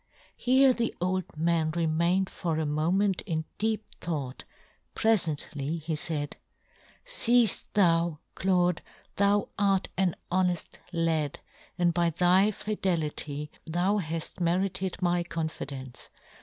Here the old man remained for a moment in deep thought ; prefently he faid, " Seeft ' thou, Claude, thou art an honeft ' lad, and by thy fidelity thou haft * merited my confidence.